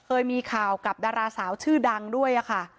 เคยมีข่าวกับดาราสาวชื่อดังด้วยค่ะ